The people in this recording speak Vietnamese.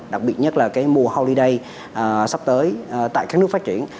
đặc biệt nhất là cái mùa holiday sắp tới tại các nước phát triển